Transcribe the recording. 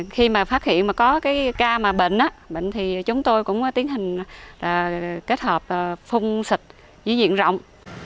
khi mà phát hiện có ca bệnh chúng tôi cũng tiến hình kết hợp phun xịt dưới diện rộng